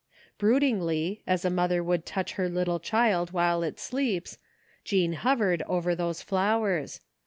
Broodingly, as a mother would touch her little child while it sleeps, Jean hovered over those flowers.